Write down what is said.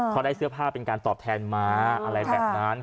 เขาได้เสื้อผ้าเป็นการตอบแทนม้าอะไรแบบนั้น